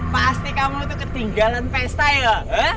pasti kamu itu ketinggalan pesta ya